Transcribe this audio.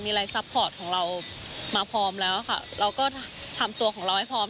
มีอะไรซัพพอร์ตของเรามาพร้อมแล้วค่ะเราก็ทำตัวของเราให้พร้อม